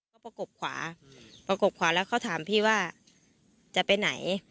เขาประกบขวาประกบขวาแล้วเขาถามพี่ว่าจะไปไหน